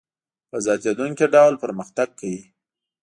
په زیاتېدونکي ډول پرمختګ کوي